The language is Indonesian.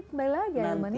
kembali lagi ailman ya